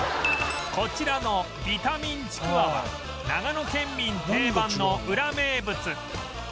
こちらのビタミンちくわは長野県民定番のウラ名物